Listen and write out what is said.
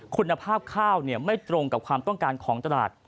คุณภาพข้าวไม่ตรงกับความต้องการของตลาด